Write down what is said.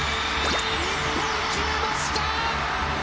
日本、決めました。